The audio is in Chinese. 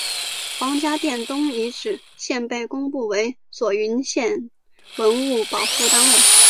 黄家店东遗址现被公布为左云县文物保护单位。